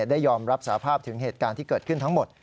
ได้ยอมรับสาภาพถึงเหตุการณ์ที่เกิดขึ้นทั้งหมด